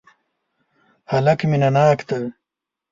هلک مینه ناک دی.